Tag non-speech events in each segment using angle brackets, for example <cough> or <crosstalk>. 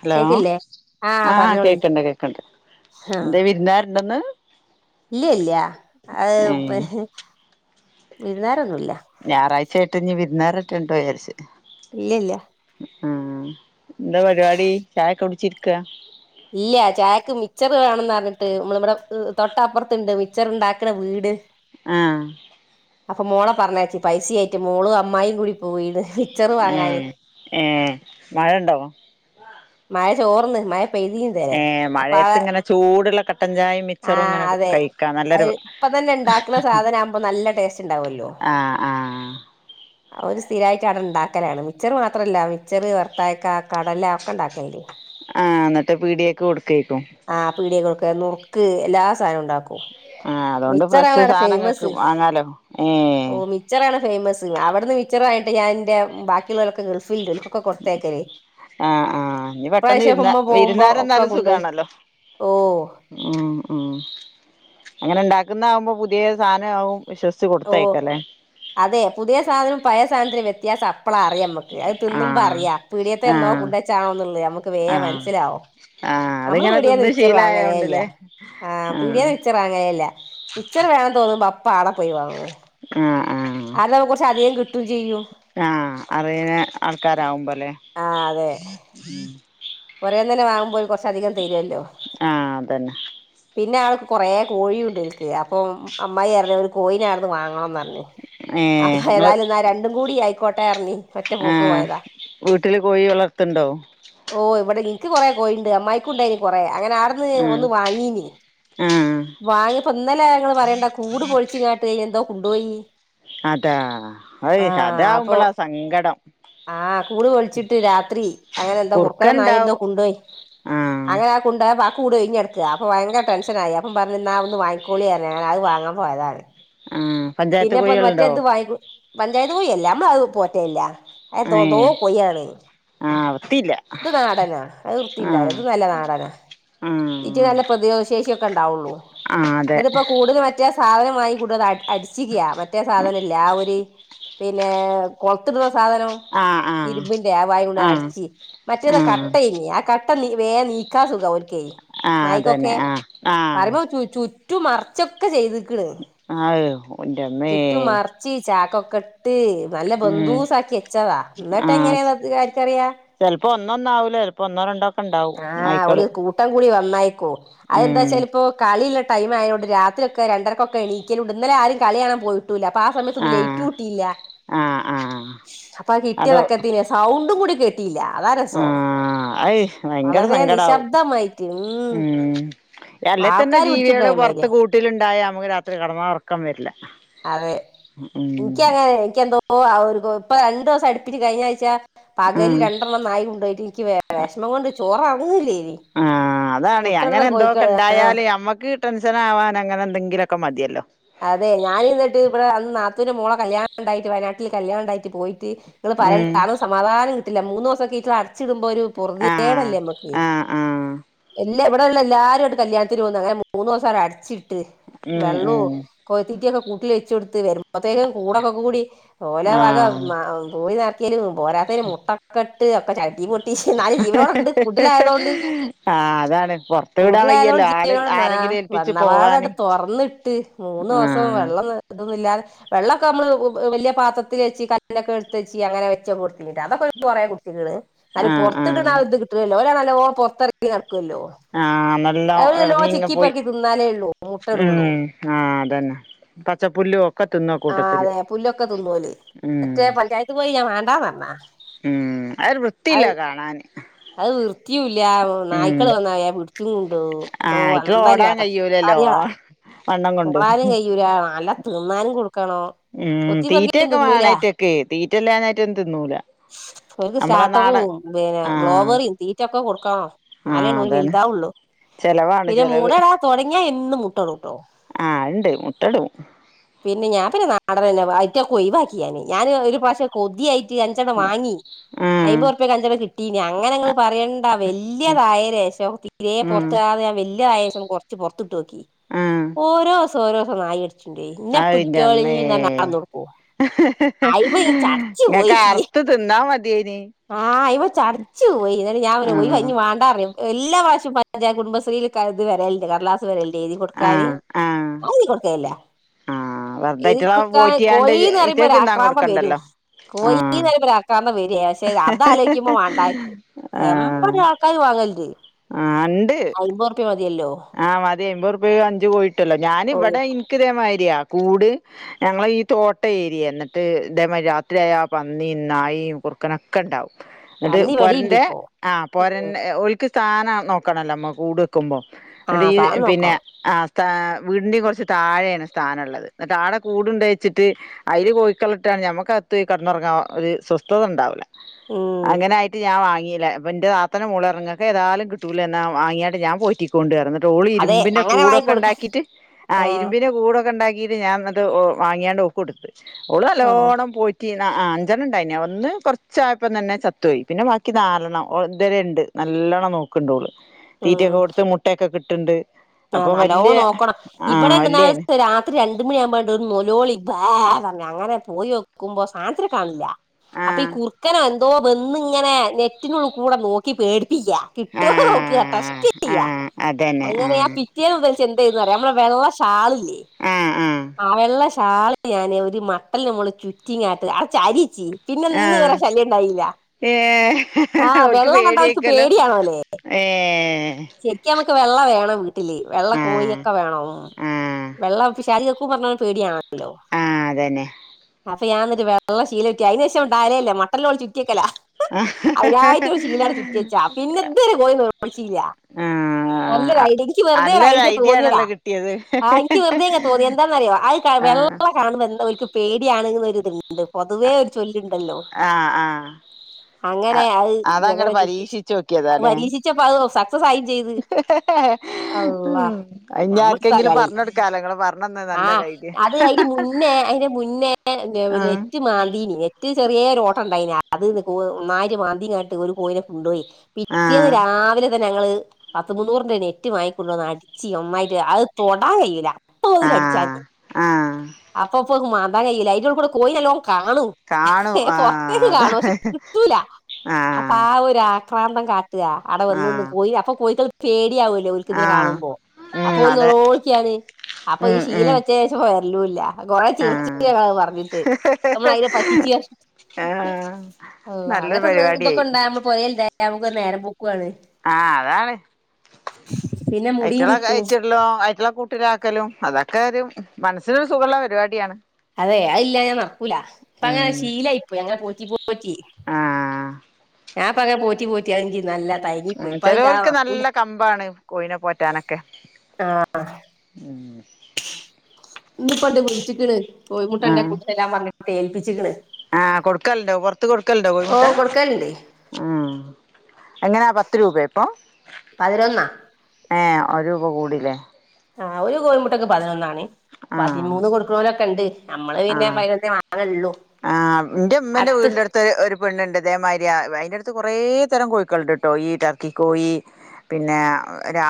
Hello കേക്കില്ലേ ആഹ് കേക്കണ്ട് കേക്കണ്ട് എന്തേ വിരുന്നാരുണ്ടന്ന് ഇല്ലേ ഇല്ല അ ഏഹ് വിരുനാരൊന്നുമില്ല ഞായറാഴ്ചയായിട്ട് ഇനി വിരുന്നാരൊക്കെ ഇട്ടു വിചാരിച്ച് ഇല്ല ഇല്ല ആഹ് എന്താ പരിപാടി ചായക്കെ കുടിച്ചിരിക്ക ഇല്ല ചായക്ക് മിച്ചർ വേണംന്ന് പറഞ്ഞിട്ട് നമ്മളിവിടെ തൊട്ടപ്പുറത്തുണ്ട് മിച്ചർ ഉണ്ടാക്കണ വീട് ആഹ് അപ്പൊ മോളെ പറഞ്ഞയച്ച് പൈസയായിട്ട് മോളും അമ്മായും കൂടി പോയിന്ന് മിച്ചർ വാങ്ങാന് ഏഹ് ഏഹ് മഴ ഉണ്ടോ മഴ ചോർന്ന് മഴ പെയ്തീന്ന് ഏഹ് മഴയത്ത് ഇങ്ങനെ ചൂടുള്ള കട്ടൻചായയും മിച്ചറും ആഹ് ഇങ്ങനെ അതെ കഴിക്ക അത് നല്ലൊരു ഇപ്പ തന്നെ ഹ ഉണ്ടാക്കുന്ന ഹ ഹ സാധനം ആകുമ്പോ നല്ല ടേസ്റ്റ് ഉണ്ടാവുമല്ലോ ആഹ് ആഹ് അവര് സ്ഥിരായിട്ട് അവിടെ ഉണ്ടാക്കലാണ് മിച്ചർ മാത്രല്ല മിച്ചർ വർത്തായക്ക കടല ഒക്കെ ഉണ്ടാക്കലേ ആഹ് അന്നത്തെ പീടിയക്കെ കൊടുക്കേക്കും ആഹ് പീടികകൾക്ക് കൊടുക്ക നുറുക്ക് എല്ലാ സാധനവും ഉണ്ടാക്കും ആഹ് അതുകൊണ്ട് ഫ്രഷ് മിച്ചറാണ് അവിടെ സാധനങ്ങൾക്ക് ഫേമസ് വാങ്ങാലോ ഏ ഓ മിച്ചറാണ് ഫേമസ് അവിടുന്ന് മിക്ചറ് ആയിട്ട് ഞാൻ്റെ ബാക്കിയുള്ളവൊക്കെ ഗൾഫിൽ ഉണ്ട്ള് ഒക്കെ കൊട്ത്തേക്കല് ആഹ് ആഹ് ഇനി പെട്ടെന്ന് ഇപ്രാവശ്യ വിരുന്ന ഉമ്മ പോകുമ്പോ ഒക്കെ വിരുന്നാരെന്നാലും കൊണ്ടുപോയി സുഖാണല്ലോ ഓഹ് ഉം ഉം അങ്ങനെ ഉണ്ടാക്കുന്ന ആകുമ്പോ പുതിയ സാധനാവും വിശ സിച്ച് ഓ കൊടുത്തയിക്കാല്ലേ അതെ പുതിയ സാധനം പഴയ സാധനത്തിനും വ്യത്യാസ അപ്പള അറിയാംമ്മക്ക് അത് തിന്നുമ്പം ആഹ് അറിയാം പീടിയത്തെ എന്നോ ആഹ് കൊണ്ട വച്ചാണോന്നുള്ളേ നമ്മുക്ക് വേഗം ആഹ് മനസ്സിലാവും ആഹ് നമ്മള് അതിങ്ങനെ പീടിയന്ന് തിന്ന് മിച്ചറു വാങ്ങലെ ഇല്ല ശീലായോണ്ടല്ലേ ആ പിടിയന്ന് ആഹ് മിച് മിച്ചർ വാങ്ങലില്ല മിച്ചർ വേണന്ന് തോന്നുമ്പോ അപ്പ ആടെ പോയി വാങ്ങു ആഹ് ആഹ് അതാവുമ്പോ കുറച്ച് അധികം കിട്ടും ചെയ്യും ആഹ് അറിയന ആൾക്കാരാവുമ്പോ അല്ലെ പുരേന്നന്നെ വാങ്ങുമ്പോ കൊറച്ച് അധികം തരുല്ലോ ആഹ് അതന്നെ പിന്നെ ആൾക്ക് കുറേ കോഴി ഉണ്ട് എക്ക് അപ്പം അമ്മായി പറഞ്ഞ ഒരു കോയിന ആണന്ന് വാങ്ങണംന്ന് അത ഏഹ് നിങ്ങള് ഏതായാലും എന്നാ രണ്ടും കൂടി ആയിക്കോട്ടെ ഇറങ്ങി ഒറ്റ പോക്ക് പോയതാ വീട്ടിൽ കോഴി വളർത്തണ്ടോ ഓ ഇവിടെ ഇൻക്ക് കൊറേ കോഴിണ്ട് അമ്മായി ക്കുംണ്ടായി നി കൊറെ അങ്ങനെ അവിടുന്ന് ആഹ് ഒന്ന് വാങ്ങീ നി ആഹ് വാങ്ങി ഇപ്പൊന്നല ങ്ങങ്ങള് പറയേണ്ട കൂട് പൊഴിച്ചിങ്ങാട്ട് എന്തോ കൊണ്ടുപോയി അതാ അയ് അതാവുമ്പോളാ സങ്കടം ആഹ് കൂട് പൊളിച്ചിട്ട് രാത്രി അങ്ങനെ എന്താ കുർക്കനോ കുറുക്കൻ നായയോ എന്തോ ഉണ്ടാവും കൊണ്ടോയി ആഹ് അങ്ങനെ അത് കൊണ്ടോയപ്പം ആ കൂട് ഒഴിഞ്ഞടുക്ക അപ്പോൾ ഭയങ്കര ടെഷനായി അപ്പം പറഞ്ഞ് എന്നാ വാങ്ങിക്കോളി പറഞ്ഞ് അങ്ങനെ അത് വാങ്ങാൻ പോയതാണ് ആഹ് പഞ്ചായത്ത് പിന്നെപ്പം കോഴികളുണ്ടോ മറ്റേത് വാങ്ങി പഞ്ചായത്ത് കോയില്ല നമ്മളത് പോറ്റേല്ല ഏഹ് ആഹ് എത്തില്ല ഇത് നാടനാ അത് വൃത്തി ഉണ്ടാവില്ല ഇത് നല്ല നാടനാ ആഹ് ഇതിന് നല്ല പ്രതിശേഷിയൊക്കെ ഉണ്ടാവുള്ളൂ ആഹ് അതെ എന്നിട്ട്പ്പം കൂട്ന് മറ്റേ സാധനം വാങ്ങി കൊണ്ടോന്ന് അട് അടിച്ചിക്കയാ മറ്റേ സാധനം ഇല്ലെ ആ ഒരു പിന്നെ കൊളത്തിടുന്ന സാധനം ആഹ് ആഹ് ഇരുസിൻ്റെ <unintelligible> ആഹ് അടിച്ചി മറ്റത് ആഹ് കട്ടേനി ആ കട്ട വേഗം നീക്കാൻ സുഖ ഓൽക്ക് ആഹ് അതന്നെ നായിക്കൊക്കെ ആഹ് ആഹ് പറയുമ്പോ ചുറ്റും മറ ച്ചൊക്കെ ചെയ്തിക്ക്ണ് ആയോ എന്റെമ്മേ ചുറ്റും മറ ച്ചി ചാക്കൊക്കെ ഇട്ട് നല്ല ഉം ബന്ദൂസാക്കി വച്ചതാ എന്നിട്ട് എങ്ങനെയാന്ന് ആർക്കറിയാം ചിലപ്പോ ഒന്നോ ഒന്നാവൂല്ല ചിലപ്പോ ഒന്നോ രണ്ടോ ഒക്കെ ഉണ്ടാവും ആഹ് ഒരു നായ്ക്കള് കൂട്ടം കൂടി വന്നായിരിക്കും ഉം അതെന്താച്ചാല് ഇപ്പോ കളിയുള്ള ടൈം ആയോണ്ട് രാത്രിയൊക്കെ രണ്ടരക്കൊക്കെ എണീക്കലോണ്ട് ഇന്നലെ ആരും കളികാണൻ പോയിട്ട് ട്ടുല്ല അപ്പൊ ആ സമയത്തൊന്നും ആഹ് ലൈറ്റുട്ടില്ല ആഹ് ആഹ് അപ്പൊ ആ അതോ കിട്ടിയതക്കത്തിന് സൗണ്ടും കൂടി കേട്ടില്ല അതാണ് രസം ആഹ് അയ് ഭയങ്കര വളരെ സങ്കടാവും നിശബ്ദമായിട്ട് ഉം അല്ലേ തന്നെ ആൾക്കാര് ജീവികള് പിടിച്ചിട്ടുണ്ടായ പുറത്ത് മാതിരിയ കൂ ട്ടിലുണ്ടായ നമുക്ക് രാത്രി കടന്നാൽ ഉറക്കം വരില്ല അതെ ഉം എനിക്കങ്ങനെ എനിക്കെന്തോ ഇപ്പൊ രണ്ടു ദിവസം അടുപ്പിച്ച് കഴിഞ്ഞ ആഴ്ച പകല് ആഹ് രണ്ടെണ്ണം നായി കൊണ്ടുപോയിട്ട് എനിക്ക് വിഷമം കൊണ്ട് ചോററങ്ങൂല്ലേനി ആഹ് അതാണ് അങ്ങനെ എന്തോക്കെണ്ടായാല് ഞമ്മക്ക് ടെൻഷനാവാൻ അങ്ങനെ എന്തെിലൊക്കെ മതിയല്ലോ അതെ ഞാനെന്നിട്ട് ഇവിടെ അന്ന് നത്തുൻ്റെ മോളെ കല്യാണം ഉണ്ടായിട്ട് വയനാട്ടിൽ കല്യാണണ്ടായിട്ട് പോയി നിങ്ങള് ഉം പറയും സമാധാനം കിട്ടില്ല മൂന്ന് ദിവസം ഒക്കെ <unintelligible> അടച്ചിടുമ്പോ ഒരു ആഹ് പെറുതികേടല്ലേ നമ്മക്ക് ആഹ് ആഹ് എല്ലാ ഇവിടെയുള്ള എല്ലാരുംമായിട്ട് കല്യാണത്തിന് പോന്ന് അങ്ങനെ മൂന്ന്ദിവസം അടച്ചിട്ട് ഉം ഉം വെള്ളവും കോഴിതീറ്റിയൊക്കെ കൂട്ട് വെച്ച് കൊടുത്ത് വന്നപ്പത്തേക്കും കൂടൊക്കെ കൂടി ഓലെ വക ആഹ് തൂറി നർക്കലും പോരാത്തതിന് മുട്ടൊക്കെ ഇട്ട് ഒക്കെ ചവിട്ടി പൊട്ടിച്ച് ന്നാലും ജീവനോട് ഉണ്ട് കുട്ടിലായതുകൊണ്ട് ആഹ് അതാണ് പൊറത്ത് വിടാൻ വയ്യല്ലോ കൂട്ടിലായതുകൊണ്ട് ആള് ജീവനോടെണ്ട് ആഹ് ആരെങ്കിലും ഏൽപ്പിച്ച് പോവാന് വന്നപാടാണ്ട് തുറന്നിട്ട് മൂന്ന് ദിവസം ആഹ് വെള്ളം ഇതൊന്നുല്ല വെള്ളമൊക്കെ നമ്മള് വലിയ പാത്രത്തിൽ വെച്ച് കല്ല് എടുത്തച്ച് അങ്ങനെ വെച്ച് ഒക്കെ അതൊക്കെ ഓല് കുറേ കുടിച്ചിക്ക്ണ് എന്നാലും ആഹ് പുറത്തിട്ണ ആഹ് ആ ഒരിത് കിട്ടൂലല്ലോ ഓല് നല്ലോം പുറത്തിറങ്ങി നടക്കല്ലോ ആഹ് നല്ലാം ഇറങ്ങിങ്ങ പോയി തിന്നാലേ ഉള്ളൂ മുട്ട ഇടുള്ളൂ ഉം ആഹ് അതന്നെ പച്ചപ്പുല്ലും ഒക്കെ തിന്നും ആ ആഹ് കൂട്ടത്തില് അതെ പുല്ലൊക്കെ തിന്നോല് ഉം മറ്റേ പഞ്ചായത്ത് കോഴി ഞാൻ വാണ്ടാന്ന് പറഞ്ഞാ ഉം അതൊരു വൃത്തിയില്ല അത് കാണാന് അത് വൃത്തിയൂല്ല ഉം നായ്ക്കള് വന്ന പിടിച്ചും കൊണ്ട് പോവും എന്തോ അന്തല്ലാതെ <unintelligible> ലല്ലോ വണ്ണം കൊണ്ട് നല്ല തിന്നാനും കൊടുക്കണം ഉം തീറ്റയൊക്കെ വേണായിറ്റക്ക് തീറ്റല്ലാഞ്ഞ അയിറ്റൊന്നും തിന്നൂല ഓൽക്ക് നമ്മളെ നാടൻ സ്റ്റാർട്ടറും പിന്നെ ആഹ് ഗ്ലോബറിയും തീറ്റൊക്കെ കൊടുക്കണോ ആഹ് ഇന്നാലേന്നെ ഓല് അതാണ് വലുതാവൊള്ളൂ ചെലവാണ് പിന്നെ ചെലവ് മുടടാ തൊടങ്ങിയ എന്നും മുട്ടടൂട്ടോ ആഹ് അത് ഇണ്ട് മുട്ടടും പിന്നെ ഞാൻ പിന്നെ നാടൻന്നെ ഐറ്റൊക്ക ഒഴവാക്കി ഞാന് ഞാൻ ഒരു പ്രാവശ്യം കൊതിയായിട്ട് അഞ്ചണ്ണം വാങ്ങി ആഹ് അയിബർപ്യക്ക് അഞ്ചണ്ണം കിട്ടി ട്ടീനി അങ്ങനെ നിങ്ങ പറയണ്ട വല്യതായരേശം ഉം തീരെപൊറത്ത് വല്യയ ശേഷം കൊറച്ച് പൊറത്തിട്ട് നോക്കി ആഹ് ഓരോസം ഓരോസം നായി കട്ച്ച് ണ്ടൊയി ഇന്നെ അയ്ന്റമ്മേ പിടിച്ചോളിന്നോടുക്കും അയിമ്മേ ചടച്ചു പോയി ഇങ്ങക്ക് ഇയ്ക് അറ്ത്ത് തിന്നാ മതിയേനി ആഹ് അയിമ്മേ ചട ചടച്ച് പോയി ഇന്നട്ട് ഞാൻ പിന്നെ ഒഴിവായി ആഹ് ഇഞ്ഞ് മാടാ റഞ്ഞ് എല്ലാ പ്രാവശ്യവും പഞ്ചായത്ത്‌ കുടുംബശ്രീ യിൽ ഇത് വരലുണ്ട് കടലാസ് വെരലുണ്ട് എഴുതി കൊടുക്കാൻ ഞാൻ ആഹ് ആഹ് എഴുതി കൊടുക്കലില്ല ആഹ് വെറുതെ എഴുതി അയ്റ്റളെ കൊടുക്കാൻ പോറ്റിയാണ്ട് കോഴിന്ന് പറയുമ്പോ ഇറ്റക്ക് തിന്നാൻ ഒരാക്രാന്തം വെരും കൊടുക്കണ്ടല്ലോ കോയിന്ന് ആഹ് പറയുമ്പോ ഒരു ആക്രാന്തം വരെ പക്ഷെ അത് ആലോചിക്കുമ്പോ വണ്ടാക്കും ആഹ് എമ്പത് ക്കൽ വാങ്ങൽണ്ട് ആഹ് ഇണ്ട് ക്കേ മതിയല്ലോ ആഹ് മതി അയിമ്പഉറപ്പിയക്ക് അഞ്ചു കോഴിട്ടോല്ലൊ ഞാനി ഓ ഇവിടെ ഇനക്ക്തേമാതിരിയാ കൂട് ഞങ്ങള് ഈ തോട്ട ഏരിയ ഇന്നിട്ട് ഇതേ മാരിയ രാത്രി ആയ പന്നിം നായിം കുറക്കനൊക്കെ ഉണ്ടാവും ഇന്നട്ട് പന്നി ഇവിടെയുണ്ട് പോരന്റെ ഇപ്പോ ആഹ് ഉം പോരന് ഓല്ക്ക് സ്ഥാനം നോക്കണല്ലോ നമ്മ കൂട് വെക്ക്‌മ്പം ഇന്നട്ട് ആഹ് ഈ സാധനം പിന്നെ നോക്കണം ആഹ് സ്ഥാ വീടിന്റെ കൊറച്ച് താഴെയാണ് സ്ഥാനം ഉള്ളത് ന്നട്ട് ആടെ കൂട് കൊണ്ടച്ചിട്ട് അയില് കോഴിക്കളിട്ടാണ് ഞമ്മക്ക് അകത്ത് കടന്നുറങ്ങാൻ ഒരു സ്വസ്ഥത ഇണ്ടാവൂല്ല ഉം അങ്ങനെ ആയിട്ട് ഞാൻ വാങ്ങിയില്ല അപ്പൊ ഇന്റെ നാത്തു ത്തുന്റെ മോള് റഞ്ഞ് ഇങ്ങക്ക് ഏതാലും കിട്ടൂലെ ഇന്ന വാങ്ങിയാണ്ട് ഞാ പോറ്റി കൊണ്ട് റഞ്ഞ് ഇന്നട്ട് ഓള് അതെ ഇരുമ്പിന്റെ അങ്ങനെ വാങ്ങി കൂടൊക്കെ കൊടുക്ക ഇണ്ടാക്കിട്ട് ആഹ് ഇരുമ്പിന്റെ കൂടൊക്കെ ഇണ്ടാക്കിയിട്ട് ഞാൻ വാങ്ങിയാണ്ട് ഓക്ക് കൊടുത്ത് ഓള് ആഹ് നല്ലോണം പോ പോറ്റി ആഹ് അഞ്ചെണ്ണം ഇണ്ടായിനി ഒന്ന് കൊറച്ചായപ്പം തന്നെ ചത്തുപോയി പിന്നെ ബാക്കി നാലെണ്ണം ഇതുവരെ ഇണ്ട് നല്ലോണം നോക്കണ്ട് ഒള് തീറ്റയൊക്കെ കൊടുത്ത് മുട്ടയൊക്കെ കിട്ടിണ്ട് ആഹ് നല്ലോ നോക്കണം ഇബടെണ്ട് ന്നാൽ വല്യേന് ഒരീസം രാത്രി ഒരു രണ്ട് മണിയാകുമ്പോ ഒരു നോലോളി ബാ പറഞ്ഞ് അങ്ങനെ പോയി നോക്കുമ്പോ സാധനത്തിനെ കാണിനില്ല ആ അപ്പൊ ഈ കുർക്കനോ എന്തോ വെന്ന് ഇങ്ങനെ നെറ്റിനുള്ള കൂടെ നോക്കി പേടിപ്പിക്കാ ആ കിട്ടോ നോക്ക ടെസ്റ്റ് ആ യ്യ അതന്നെ ആ അങ്ങനെയാ കിട്ടിയത് മുതൽച്ച് എന്ത് ചെയ്തേന്നറിയോ നമ്മടെ വെള്ളഷാളില്ലേ ആ ആ ആഹ് വെള്ളഷാൾ ഞാന് ഒരു മട്ടൽന്റെ മോളിൽ ചുറ്റിങാണ്ട് അടെ ചാരിച്ച് പിന്നെ ഇന്ന് വേരെ ആ ശല്യണ്ടായില്ല ഏ ആഹ് വെള്ള കണ്ടഓൽക്ക് പേടിയാണോല്ലേയ് ഏഹ് ശരിക്ക് ഞമ്മക്ക് വെള്ള വേണം വെള്ള ആ കോഴൊക്കെ വേണം ആ വെള്ള പിശാജേക്കും പറഞ്ഞപോലെ പേടിയാണ് ല്ലോ ആ അതന്നെ അപ്പൊ ഞാൻ ന്നട്ട് വെള്ളം ശീലകെട്ടി അതിന് ശേഷംണ്ടാവലേല്ല മ ട്ടലിൻ്റെ മൊളിൽ ചുറ്റിയക്കല ആ അയിനായിറ്റ് ശീല ചുറ്റിച്ചതാ പിന്നെ ഇതുവരെ കോഴി നോലോലിച്ചില്ലാ ആഹ് നല്ലൊരു ഐഡിയ ഇയ്ക്ക് വെറുതെ ഒരു ഐഡിയ തോന്നിയതാ ആണല്ലോ കിട്ടിയത് ആഹ് ഇനിക്ക് വെറുതെ ഇങ്ങനെ തോന്നി എന്താന്നറിയോ ആ വെള്ള കാണാ വെന്ദ് പേടിയാണെങ്കുംരിത്ണ്ട് പൊതുവേ ഒരു ചൊല്ലുണ്ടല്ലോ ആഹ് ആഹ് അങ്ങനെ അഹ് അങ്ങനെ ചുറ്റിച്ച് പരീക്ഷിച്ച് അപ്പം നോക്കിയതാല്ലേ പരീക്ഷിച്ചപ്പോ അഹ് സക്സസായിം ചെയ്ത് അല്ല ഉം അഹ് നമ്മളിപ്പോ ഇഞ്ഞാര്ക്കെങ്കിലും കളി പറഞ്ഞൊട്ക്കാലോ ഇങ്ങള് പറ്ഞ്ഞന്ന്ന്ന ആഹ് അത് അയിന്റെ മുന്നേ അയിന്റെ മുന്നേ നെ വെ ആ നെറ്റ് മാന്തിനി നെറ്റിന് ചെറിയേരു ഓട്ടണ്ടായിനി അത് കോ ഒന്നായിട്ട് മാന്തിങ്ങാട്ട് ഒരു കോഴിനെ കൊണ്ടോയി ആ പിറ്റേന്ന് രാവിലെ പ്പം ഞങ്ങള് പത്ത് മുന്നൂറ്ന്റെ നെറ്റ് വാങ്ങി കൊണ്ടോന്ന് അടിച്ച് ഒന്നായിട്ട് അഹ് തൊടാൻ കയ്യൂല ആ <unintelligible> അടിച്ചാഞ്ഞ് ആ അപ്പം ഇപ്പോ അഹ് മാന്താൻ കയ്യൂല അയിന്റുള്ളുക്കൂടെ കോഴിനെല്ലോം കാണും കാണും ആ പൊറത്തേക്ക് കാണും പക്ഷേ അതാണ് കിട്ടൂല അപ്പ ആഹ് ആ ഒരു ആ ക്രാന്തം കാട്ടാ ആടെ വന്ന്ന്ന് ആഹ് കോഴിനെ അപ്പം കോഴികൾ പേടിയാവ ല്ലോ ഓല്ക്ക് ഇതിനെ ആഹ് കാണുമ്പോ അപ്പോ ഉം ഓല് അതെ നെലോളിക്ക്യാണ് അപ്പൊ ഈ ഉം ശീല ഉം വെച്ചേഷം ഇപ്പം വെര്ലൂല്ല അഹ് കൊറേ ചിറ്ച്ച്ണ് ആഹ് ഞങ്ങള് പറഞ്ഞിട്ട് ഞമ്മള് അയിനെ പറ്റിച്ച്ർഞ്ഞ്ട്ട് ആഹ് അള്ളാ നല്ലൊരു അങ്ങനത്തൊന്നും ഇതൊക്കെ പരിപാടിയായി ഇണ്ടായാ ഞമ്മള് പൊരേ <unintelligible> ഞമ്മക്കൊരു നേരം പോക്കുവാണ് ആഹ് അതാണ് പിന്നെ മുടിയും അയിറ്റളെ കിട്ടും കയിച്ചിട്ട്ല്ലും അയിറ്റളെ കൂ ട്ടിലാക്കലും അതൊക്കെ ഒരു മനസ്സിനൊര് സുഖള്ളെ പരിവാടിയാണ് അതെ അഹ് ഇല്ലാഞ്ഞാ നടക്കൂല ഇപ്പ അങ്ങനെ ഉം ശീലായി പോയി അങ്ങനെ പോറ്റി പോറ്റി ആഹ് ഞാൻ ഇപ്പ അങ്ങനെ പോറ്റി പോ റ്റിയാങ്കി നല്ല തയങ്ങി ഉം പോയി ഇപ്പ അഹ് ഇല്ലാ ചെലോൽക്ക് നട്ക്കൂല നല്ല കമ്പാണ് കോഴിനെ ആഹ് ഉം ഇന്ന്പ്പണ്ട് വിളിച്ച്ക്ക്ണ് കോഴിമുട്ടണ്ടെ ആഹ് കൊണ്ട് തരാ പറഞ്ഞിട്ട് ഏൽപ്പിച്ച്ക്ക്ണ് ആഹ് കൊട്ക്കല്ണ്ടോ പൊറത്ത് കൊട്ക്കല്ണ്ടോ കോഴിമുട്ട ഓഹ് കൊടുക്കല്ണ്ട് ആഹ് എങ്ങനാ പത്ത് രൂപെ ഇപ്പം പതിനൊന്നാ ഏഹ് ഒരു രൂപ കൂടില്ലേ ആഹ് ഒരു കോഴിമുട്ടക്ക് പതിനൊന്നാണ് ആഹ് പതിമൂന്ന് കൊടുക്ക്ണോലൊക്കെണ്ട് ഞമ്മള് പിന്നെ ആഹ് പയിനൊന്നെ വാങ്ങല്ള്ളു അട്ത്ത് പെണ്ണ്ണ്ട് ഇതേമാരിയാ വേ അയിന്റെട്ത്ത് കൊറേ തരം കോഴിക്കള്ണ്ട്ട്ടോ ഈ ടർക്കി കോഴി പിന്നെ ഒ ഒരാ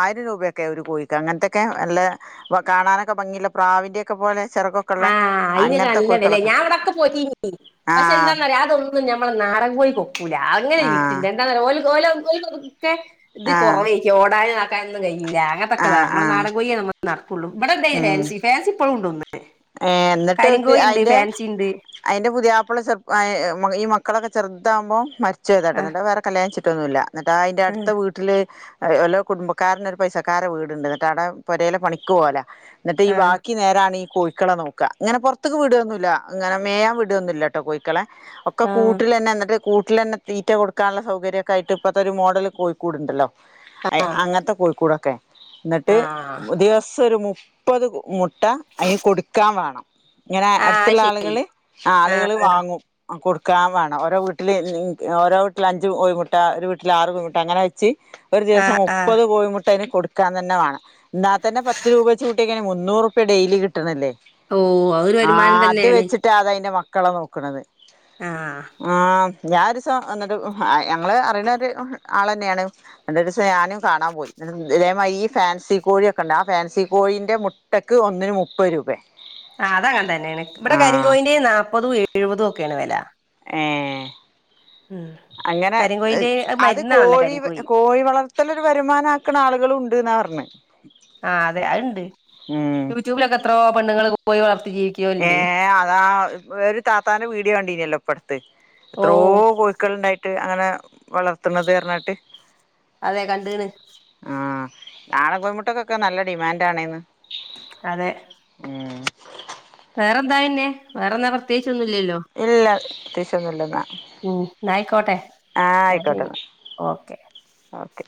ആയിരം രൂപയൊക്കെ ഒരു കോഴിക്ക് അങ്ങത്തെക്കെ നല്ലെ വ കാണാനൊക്കെ ഭംഗിള്ളെ പ്രാവിന്റെയൊക്കെ പോലെ ചെറുകൊ ആഹ് അയിന് നല്ല വെലെ ഞാൻ ഇവെടൊക്കെ പോറ്റീനി പക്ഷേ ആഹ് എന്താന്നറിയോ അതൊ ന്നും ഞമ്മളെ നാടൻ കോഴിക്ക് ഒക്കൂല അങ്ങനെ ഒരു ആഹ് വിറ്റ്ണ്ട് എന്താന്നറിയോ ഓല്ക്ക് ഓലോ ഓല്ക്കൊക്ക് ചെ ഇത് ആഹ് കൊറവേക്ക്യും ഓടാനും ആക്കാനൊന്നും കയ്യൂല അങ്ങത്തൊക്കതാ ആഹ് ഞമ്മളെ ആഹ് നാടൻ കോഴിയാ ഞമ്മ നടക്കുള്ളൂ ഇവടെണ്ടേ ഉം ഫാൻസി ഫാൻസിപ്പളും ഇണ്ടൊന്ന് ഏഹ് ഇന്ന്ട്ടോക്ക് അയിന്റെ ഫാൻസി ഉണ്ട് അയിന്റെ പുതിയാപ്പള ചെറ് അയെ മ ഈ മക്കളൊക്കെ ചെറുതാവുമ്പോ മരിച്ചോയത്താട്ടൊ ആ ഇന്ന്ട്ട് അഹ് വേറെ കല്യാണം കഴിച്ചിട്ടൊന്നുല്ല ഇന്ന്ട്ട് അഹ് അയിന്റെ അട്ത്ത വീ ട്ടില് അഹ് ഓലൊ കുടുംബക്കാരന് ഒരു പൈസക്കാരെ വീട്ണ്ട് ഇന്ന്ട്ട് ആടെ പൊരേലെ പണിക്ക് പോവെലാ ഇന്ന്ട്ടെ ഈ ആ വാക്കി നേരാണ് ഈ കോഴി ക്കളെ നോക്കാ ഇങ്ങനെ പൊറത്ത്ക്ക് വിടൊന്നുല്ല ഇങ്ങനെ മേയാൻ വിടൊന്നുല്ലട്ടോ കോഴിക്കളെ ഒ ക്കെ ആ ആ കൂട്ടിലന്നെ ഇന്ന്ട്ട് കൂട്ടിലന്നെ തീറ്റ കൊടുക്കാന്ള്ള സൗകര്യൊക്കായിട്ട് ഇപ്പത്തൊരു മോഡല് കോഴിക്കൂട് ഇണ്ടല്ലോ ഏഹ് അങ്ങത്തെ കോഴിക്കൂടൊക്കെ ഇന്ന്ട്ട് ആ ദിവസ്സൊരു മുപ്പത് കോ മു ട്ട അയിന് കൊട്ക്കാൻ വാണം ഇങ്ങനെ ആ ആ അട്ത്ത്ള്ള ശരി ആള്കള് ആഹ് ആ ആള്കള് വാങ്ങും ആഹ് കൊടുക്കാൻ വാണം ഓരോ വീട്ടില് <unintelligible> ഓരോ വീ ട്ടില് അഞ്ച് കോഴിമുട്ട ഒരു വീട്ടില് ആറ് കോഴിമുട്ട അങ്ങനെ വെച്ച് ഒരു ആ ദിവസം ആ മുപ്പത് കോഴി മുട്ടയിന് കൊട് ക്കാൻ തന്ന വേണം. ന്നാത്തന്നെ പത്ത് രൂപവച്ച് കൂട്ട്യേക്കണി. മുന്നൂറ് റുപ്യ ഡെയിലി കിട്ടണില്ലേ? ഓഹ് അതൊരു വരുമാനം തന്നേണ് ന്ന്റ്റാ അതതിന്റെ മക്കളെ നോക്കണത്. ആഹ് ആഹ് ഞാൻ ഒരുസം എന്നട്ട് ആഹ് ഞങ്ങൾ അറിയണ ഒരു ആളന്നെയാണ് അന്നോരൂസം ഞാനും കാണാമ്പോയി. ഉം. ഇതേ മാതിരി ഈ ഫാൻസി കോഴിയൊക്കെ ഉണ്ട്. ആ ഫാൻസി കോഴീന്റെ മു ട്ടക്ക് ഒന്നിന് മുപ്പത് രൂപേ ആഹ് അതങ്ങതന്നെയാണ്. ഇവിടെ ആഹ് കരിങ്കോയിന്റെന് നാപ്പതും എഴുപതും ഒക്കെയാണ് വെല ഏഹ് ഉം അങ്ങനെ കരിങ്കോയിന്റെ ഏഹ് അത് മരുന്നാണല്ലോ കോഴി കരിങ്കോയി കോഴി വളർ ത്തലൊരു വരുമാനാക്കണ ആളുകളുണ്ട് ന്നാ പറഞ്ഞ് ആഹ് അതെ അത്ണ്ട്. ഉം യൂട്യൂബിലൊക്കെ എത്രോ പെണ്ണുങ്ങള് കോയി വളർത്തി ജീവിക്ക് ഏഹ് അതാ ഒരു താത്താന്റെ വീഡിയോ കണ്ടിനല്ലോ ഇപ്പടുത്ത്. ഓ എത്രോ കോഴ് ക്കള്ണ്ടായിട്ട് അങ്ങനെ വളർത്തുന്നത് പറഞ്ഞിട്ട് അതെ കണ്ട്ണ് ആഹ് നാടൻ കോയ്മുട്ടയ്ക്കൊക്കെ നല്ല ഡിമാൻഡ് ആണേന്ന് അതെ ഉം വേറെന്താ പിന്നെ വേറെന്താ പ്രത്യേകിച്ചോന്നുമില്ലല്ലോ ഇല്ല പ്രതേകിച്ചൊന്നും ഇല്ലെന്ന ഉം എന്നയിക്കോട്ടെ, എന്ന ശരി ആയിക്കോട്ടെന്നാ ഓക്കെ ഓക്കെ